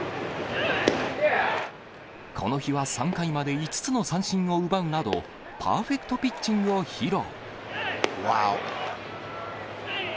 この日は３回まで５つの三振を奪うなど、パーフェクトピッチングを披露。